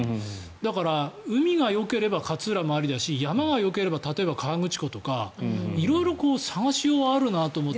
だから、海がよければ勝浦もありだし山がよければ例えば河口湖とか色々探しようはあるなと思って。